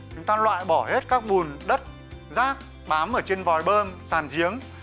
chúng ta loại bỏ hết các bùn đất rác bám ở trên vòi bơm sàn giếng